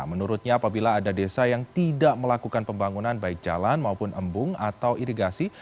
menurutnya apabila ada desa yang tidak melakukan pembangunan baik jalan maupun embung atau irigasi